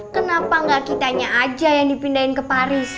kenapa gak kitanya aja yang dipindahin ke paris